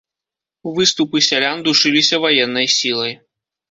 Выступы сялян душыліся ваеннай сілай.